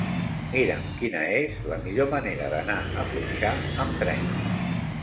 Mira'm quina és la millor manera d'anar a Foixà amb tren.